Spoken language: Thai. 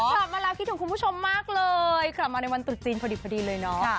กลับมาแล้วคิดถึงคุณผู้ชมมากเลยกลับมาในวันตรุษจีนพอดีเลยเนาะ